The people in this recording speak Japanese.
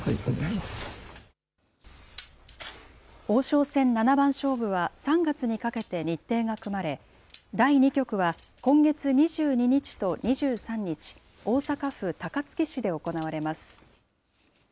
王将戦七番勝負は、３月にかけて日程が組まれ、第２局は今月２２日と２３日、大阪府高槻市で行われます。